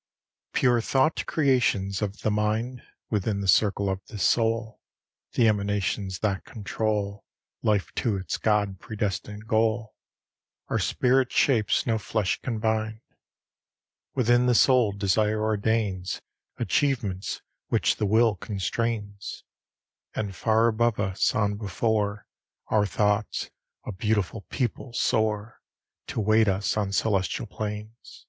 XLI Pure thought creations of the mind, Within the circle of the soul, The emanations that control Life to its God predestined goal, Are spirit shapes no flesh can bind: Within the soul desire ordains Achievements which the will constrains; And far above us, on before, Our thoughts a beautiful people soar, To wait us on celestial plains.